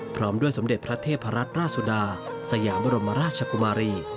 พร้อมด้วยสมเด็จพระเทพรัตนราชสุดาสยามบรมราชกุมารี